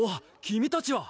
君たちは！